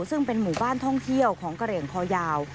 ซึ่งเป็นหมู่บ้านท่องเที่ยวของกระเหลี่ยงคอยาว